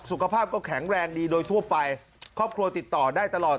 สุขภาพก็แข็งแรงดีโดยทั่วไปครอบครัวติดต่อได้ตลอด